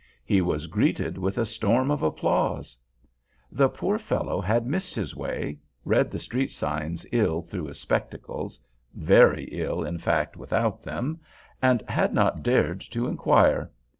He was greeted with a storm of applause! The poor fellow had missed his way—read the street signs ill through his spectacles (very ill, in fact, without them)—and had not dared to inquire.